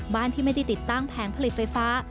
ที่ไม่ได้ติดตั้งแผงผลิตไฟฟ้า